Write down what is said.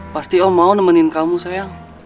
pasti om mau nemenin kamu sayang